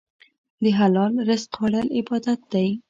د حلال رزق خوړل عبادت دی.